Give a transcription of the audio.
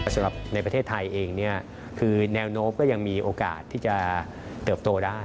สำหรับในประเทศไทยเองคือแนวโน้มก็ยังมีโอกาสที่จะเติบโตได้